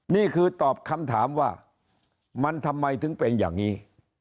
นี่คือตอบคำถามว่ามันทำไมถึงเป็นอย่างนี้